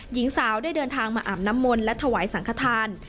หญิงสาวได้เดินทางมาอาบน้ำมนต์และถวายสังขทาน